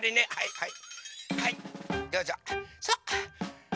はい！